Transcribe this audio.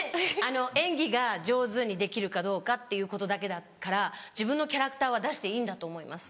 演技が上手にできるかどうかっていうことだけだから自分のキャラクターは出していいんだと思います。